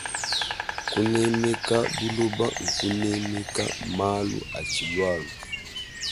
Kunemeka buloba nkunemeka malu atshilualua.